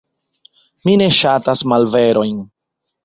Mi ne ŝatas malverojn.